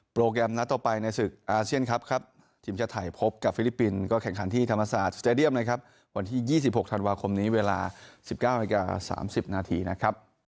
โปรแกรมนัดต่อไปในศึกอาเซียนครับครับทีมชาไทยพบกับฟิลิปปินส์ก็แข่งขันที่ธรรมสาดิยอมนะครับวันที่ยี่สิบหกธันวาคมนี้เวลาสิบเก้านาทีนะครับ